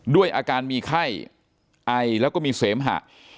ด้วยอาการมีไข้ไอแล้วก็มีเสมหะ